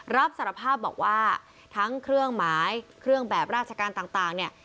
รับสารภาพบอกว่าทั้งเครื่องหมายเครื่องแบบราชการต่างเนี่ย